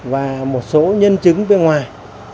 và một số nhân chứng bên ngoài